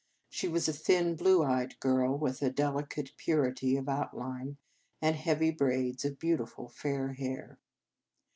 She was a thin, blue eyed girl, with a delicate purity of outline, and heavy braids of beautiful fair hair.